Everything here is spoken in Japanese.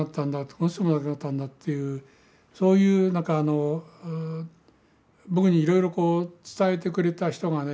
この人も亡くなったんだというそういう僕にいろいろこう伝えてくれた人がね